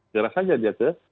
jelas saja dia ke